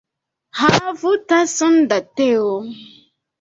Havu tason da teo.